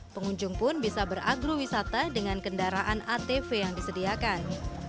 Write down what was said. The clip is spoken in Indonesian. pengunjung pun bisa beragrowisata dengan kendaraan atv yang disediakan